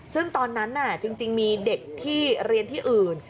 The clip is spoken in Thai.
ซึ่งตอนนั้นจริงมีเด็กที่เรียนที่อื่น